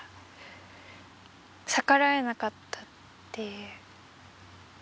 逆らえなかったっていう。